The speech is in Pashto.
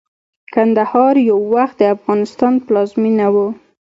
کندهار يٶوخت دافغانستان پلازمينه وه